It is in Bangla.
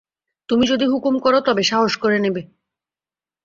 তুমি যদি হুকুম কর তবে সাহস করে নেবে।